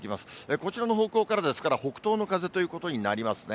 こちらの方向からですから、北東の風ということになりますね。